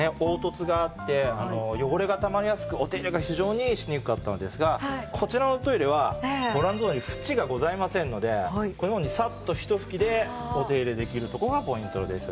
凹凸があって汚れがたまりやすくお手入れが非常にしにくかったんですがこちらのトイレはご覧のとおりフチがございませんのでこのようにサッとひと拭きでお手入れできるところがポイントです。